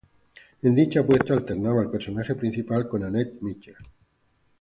En dicha puesta alternaba el personaje principal con Anette Michel.